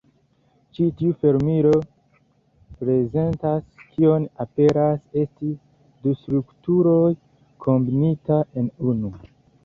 Ĉi tiu fermilo prezentas kion aperas esti du strukturoj kombinita en unu.